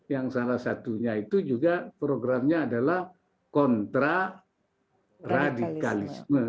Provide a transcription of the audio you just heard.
yang salah satunya itu juga programnya adalah kontra radikalisme